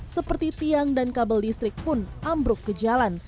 seperti tiang dan kabel listrik pun ambruk ke jalan